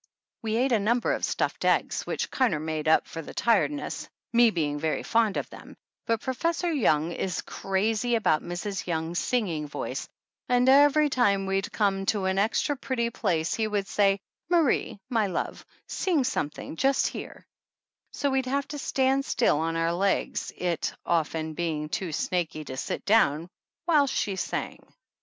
We ate a number of stuffed eggs which kinder made up for the tiredness, me being very fond of them, but Professor Young is crazy 79 THE ANNALS OF ANN about Mrs. Young's singing voice and every time we'd come to an extra pretty place he would say: "Marie, my love, sing something just here," so we'd have to stand still on our legs, it often being too snaky to sit down, while she sang.